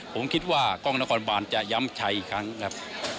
ผมคิดว่ากล้องนักคอนบาลเจ๊ย้ำชายอีกครั้งนะครับ